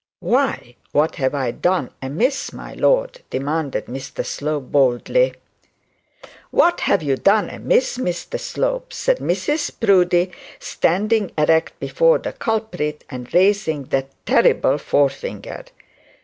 'Why, what have I done amiss, my lord?' demanded Mr Slope, loudly. 'What have you done amiss, Mr Slope?' said Mrs Proudie, standing erect before the culprit, and raising that terrible forefinger.